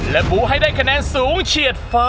และบูให้ได้คะแนนสูงเฉียดฟ้า